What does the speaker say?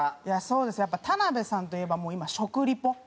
そうですねやっぱ田辺さんといえばもう今食リポ。